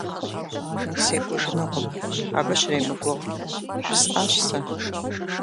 СекӀужынукъым, абы щремыгугъ! – жысӀащ сэ.